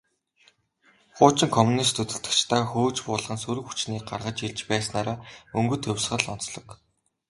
Хуучин коммунист удирдагчдаа хөөж буулган, сөрөг хүчнийг гаргаж ирж байснаараа «Өнгөт хувьсгал» онцлог.